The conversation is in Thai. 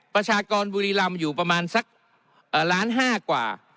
ประชากรบุรีรำอยู่ประมาณสักล้านห้ากว่า